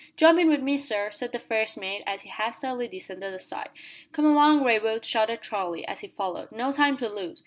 "Jump in with me, sir," said the first mate, as he hastily descended the side. "Come along, Raywood," shouted Charlie, as he followed. "No time to lose!"